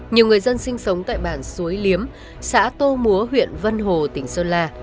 nhiều người dân sinh sống tại bản suối liếm xã tô múa huyện vân hồ tỉnh sơn la